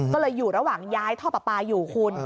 ก็เลยอยู่ระหว่างย้ายท่อปลาปลาอยู่คุณ